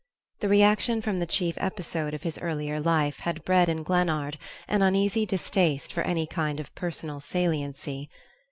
The reaction from the chief episode of his earlier life had bred in Glennard an uneasy distaste for any kind of personal saliency.